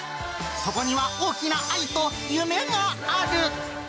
そこには大きな愛と夢がある。